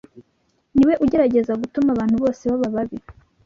Ni we ugerageza gutuma abantu bose baba babi